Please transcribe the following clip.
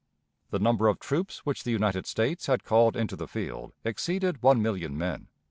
The number of troops which the United States had called into the field exceeded one million men.